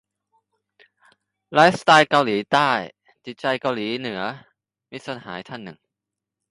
"ไลฟ์สไตล์เกาหลีใต้ จิตใจเกาหลีเหลือ" - มิตรสหายท่านหนึ่ง